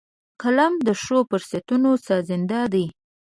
قلم د ښو فرصتونو سازنده دی